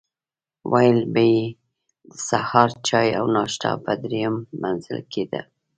ویل یې د سهار چای او ناشته په درېیم منزل کې ده.